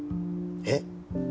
えっ？